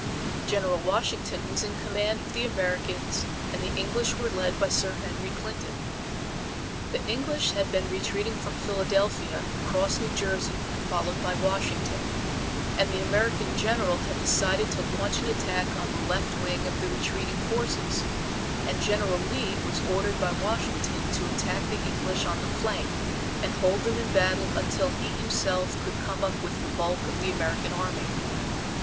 General Washington was in command of the Americans and the English were led by Sir Henry Clinton. The English had been retreating from Philadelphia, across New Jersey, followed by Washington, and the American general had decided to launch an attack on the left wing of the retreating forces and General Lee was ordered by Washington to attack the English on the flank and hold them in battle until he himself could come up with the bulk of the American Army.